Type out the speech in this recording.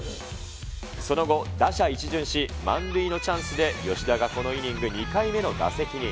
その後、打者１巡し、満塁のチャンスで、吉田がこのイニング２回目の打席に。